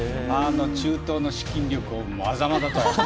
中東の資金力をまざまざと。